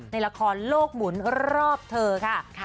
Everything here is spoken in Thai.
ในละครโลกหมุนรอบเธอค่ะ